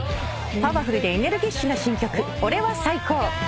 パワフルでエネルギッシュな新曲『俺は最高！！！』